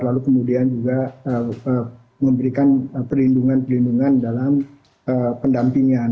lalu kemudian juga memberikan perlindungan perlindungan dalam pendampingan